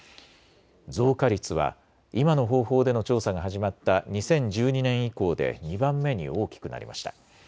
増加率は今の方法での調査が始まった２０１２年以降で２番目に大きくなりました。